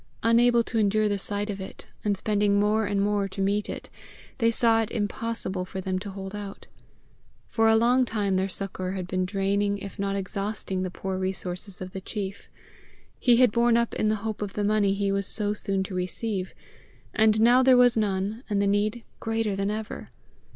Unable to endure the sight of it, and spending more and more to meet it, they saw it impossible for them to hold out. For a long time their succour had been draining if not exhausting the poor resources of the chief; he had borne up in the hope of the money he was so soon to receive; and now there was none, and the need greater than ever!